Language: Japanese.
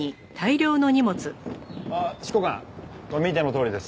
あっ執行官見てのとおりです。